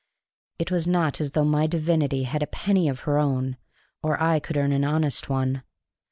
It was not as though my divinity had a penny of her own, or I could earn an honest one.